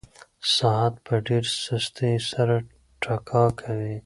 ساعت په ډېره سستۍ سره ټکا کوي.